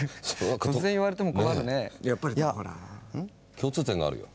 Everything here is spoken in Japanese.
共通点があるよ。